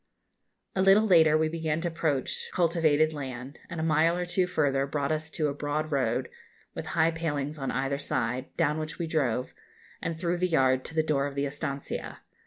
A little later we again began to approach cultivated land, and a mile or two further brought us to a broad road, with high palings on either side, down which we drove, and through the yard, to the door of the estancia.